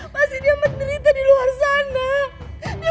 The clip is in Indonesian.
pasti dia menderita di luar sana